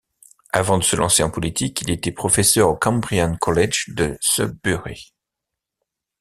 Avant de se lancer en politique, il était professeur au Cambrian College de Sudbury.